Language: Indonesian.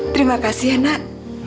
terima kasih ya nak